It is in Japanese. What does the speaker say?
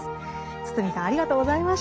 堤さんありがとうございました。